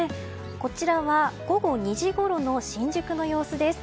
こちらは午後２時ごろの新宿の様子です。